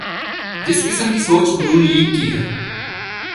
جس قسم کی سوچ ن لیگ کی ہے۔